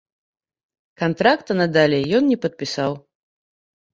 Кантракта надалей ён не падпісаў.